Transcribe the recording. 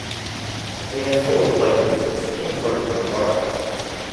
They are full of plagiarisms, inappropriately borrowed.